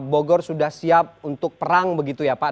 bogor sudah siap untuk perang begitu ya pak